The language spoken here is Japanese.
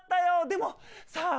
でもさあ